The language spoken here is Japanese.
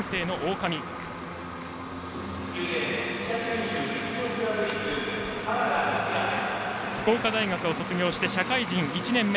原田暁は福岡大学を卒業して社会人１年目。